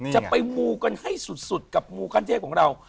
จะไปมูกันให้สุดกับมูขั้นเทพของเรา